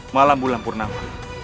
malam bulan purnama